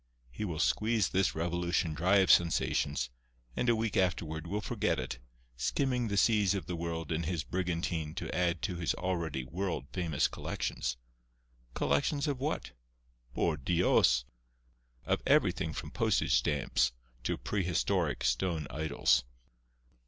He will squeeze this revolution dry of sensations, and a week afterward will forget it, skimming the seas of the world in his brigantine to add to his already world famous collections. Collections of what? Por Dios! of everything from postage stamps to prehistoric stone idols."